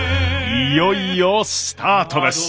いよいよスタートです！